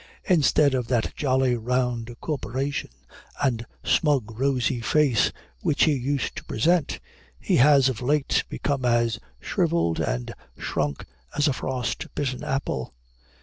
Instead of that jolly round corporation, and smug rosy face, which he used to present, he has of late become as shriveled and shrunk as a frost bitten apple.